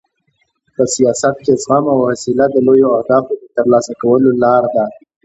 په سیاست کې زغم او حوصله د لویو اهدافو د ترلاسه کولو لار ده.